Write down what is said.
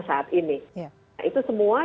saat ini nah itu semua